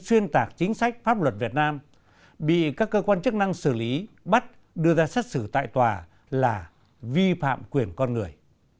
xuyên tạc chính sách pháp luật việt nam bị các cơ quan chức năng xử lý bắt đưa ra xét xử tại tòa là vi phạm quyền con người